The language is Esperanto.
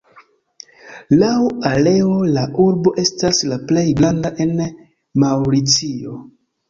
Laŭ areo la urbo estas la plej granda en Maŭricio.